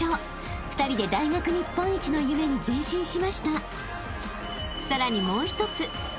［２人で大学日本一の夢に前進しました］